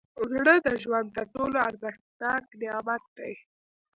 زړه د ژوند تر ټولو ارزښتناک نعمت دی.